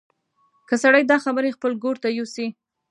که سړی دا خبرې خپل ګور ته یوسي.